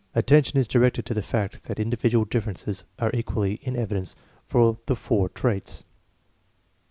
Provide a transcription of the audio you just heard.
Attention is directed to the fact that individual differences are equally in evidence for the four traits.